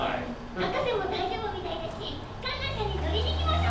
博士も大丈夫みたいですし観覧車に乗りに行きましょ！